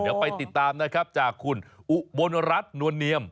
เดี๋ยวไปติดตามนะครับจากคุณอุบลรัฐนวลเนียม